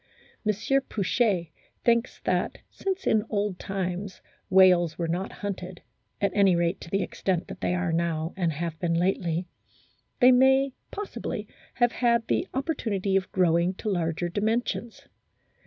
M. Pouchet * thinks that, since in old times whales were not hunted, at any rate to the extent that they are now and have been lately, they may possibly have had the opportunity of growing to larger dimensions.